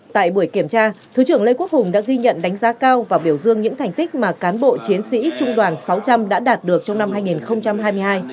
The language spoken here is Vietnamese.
tại buổi kiểm tra thứ trưởng lê quốc hùng đã ghi nhận đánh giá cao và biểu dương những thành tích mà cán bộ chiến sĩ trung đoàn sáu trăm linh đã đạt được trong năm hai nghìn hai mươi hai